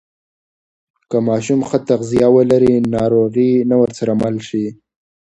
که ماشوم ښه تغذیه ولري، ناروغي نه ورسره مل شي.